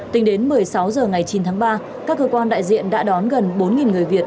tính đến một mươi sáu h ngày chín tháng ba các cơ quan đại diện đã đón gần bốn người việt